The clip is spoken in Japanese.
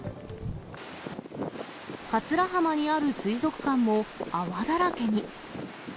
桂浜にある水族館も泡だらけに。